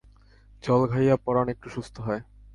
জল খাইয়া পরান একটু সুস্থ হয়।